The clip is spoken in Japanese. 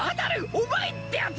お前ってやつは！